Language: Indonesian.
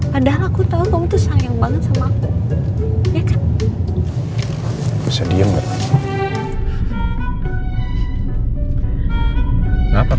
padahal aku tau kamu tuh sayang banget sama aku